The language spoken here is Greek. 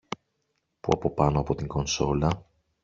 που από πάνω από την κονσόλα